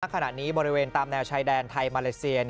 ขณะนี้บริเวณตามแนวชายแดนไทยมาเลเซีย